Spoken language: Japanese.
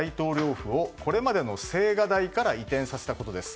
府をこれまでの青瓦台から移転させたことです。